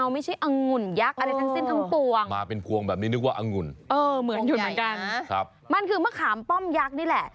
มันคือมะขามป้อมยักษ์นี่แหละ